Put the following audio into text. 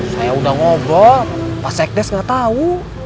saya udah ngobrol pak sekdes nggak tau